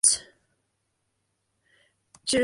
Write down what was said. She received four State Film Awards.